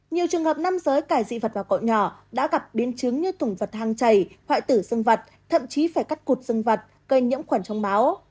nhiều trường hợp nam giới cài dị vật vào cậu nhỏ đã gặp biên chứng như thủng vật hang chảy hoại tử dân vật thậm chí phải cắt cụt dân vật gây nhiễm khoản trong máu